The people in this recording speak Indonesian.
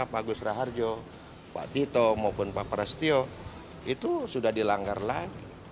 pak gusra harjo pak tito maupun pak prestio itu sudah dilanggar lagi